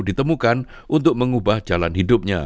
ditemukan untuk mengubah jalan hidupnya